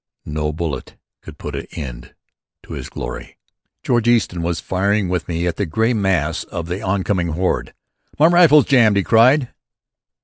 No bullet could put an end to his glory." George Easton was firing with me at the gray mass of the oncoming horde. "My rifle's jammed!" he cried.